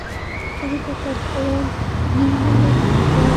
কবিতা পাঠ করেন নির্মলেন্দু গুণ, মুহাম্মদ নূরুল হুদা, মুহাম্মদ সামাদ প্রমুখ।